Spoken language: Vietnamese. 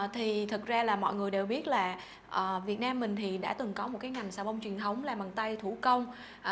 thì thật ra là mọi người đều biết là việt nam mình thì đã từng có một cái ngành sà bông truyền thống là bằng tay thủ công